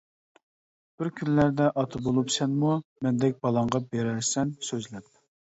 بىر كۈنلەردە ئاتا بولۇپ سەنمۇ، مەندەك بالاڭغا بىرەرسەن سۆزلەپ.